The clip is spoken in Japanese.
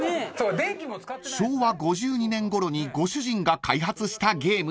［昭和５２年ごろにご主人が開発したゲーム］